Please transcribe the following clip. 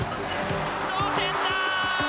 同点だ！